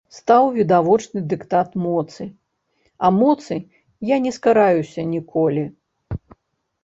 Стаў відавочны дыктат моцы, а моцы я не скараюся ніколі.